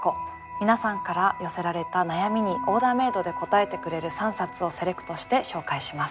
皆さんから寄せられた悩みにオーダーメードで答えてくれる３冊をセレクトして紹介します。